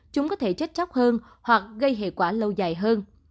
chúng có thể chết chóc hơn hoặc gây hệ quả lâu dài hơn